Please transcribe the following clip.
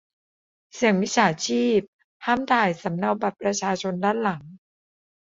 เสี่ยงมิจฉาชีพ ห้ามถ่ายสำเนาบัตรประชาชนด้านหลัง